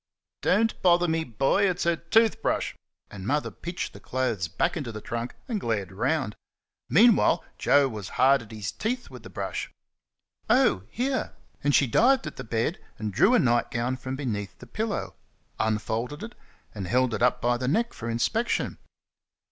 "Don't bother me, boy, it's her tooth brush," and Mother pitched the clothes back into the trunk and glared round. Meanwhile, Joe was hard at his teeth with the brush. "Oh, here!" and she dived at the bed and drew a night gown from beneath the pillow, unfolded it, and held it up by the neck for inspection.